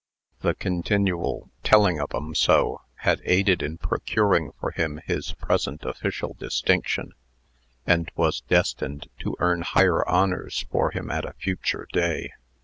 The continual "telling of 'em so" had aided in procuring for him his present official distinction, and was destined to earn higher honors for him at a future day.